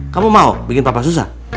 kamu mau bikin papa susah